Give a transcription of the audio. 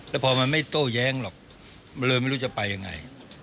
แล้วพอมันไม่โต้แย้งหรอกมันเลยไม่รู้จะไปยังไง